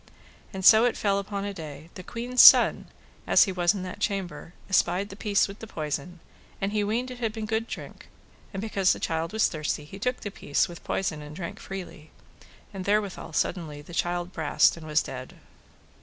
And so it fell upon a day, the queen's son, as he was in that chamber, espied the piece with poison, and he weened it had been good drink, and because the child was thirsty he took the piece with poison and drank freely; and therewithal suddenly the child brast and was dead.